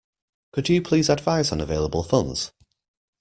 Could you please advise on available funds?